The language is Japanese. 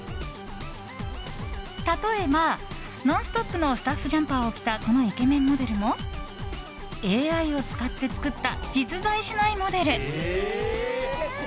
例えば「ノンストップ！」のスタッフジャンパーを着たこのイケメンモデルもＡＩを使って作った実在しないモデル。